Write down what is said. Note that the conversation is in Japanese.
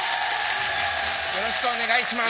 「よろしくお願いします」。